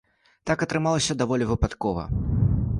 Так атрымалася даволі выпадкова.